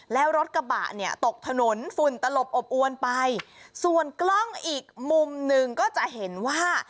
แล้วรถกระบะเนี่ยตกถนนฝุ่นตลบอบอวนไปส่วนกล้องอีกมุมหนึ่งก็จะเห็นว่า